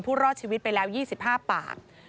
รอดชีวิตไปแล้ว๒๕ปาก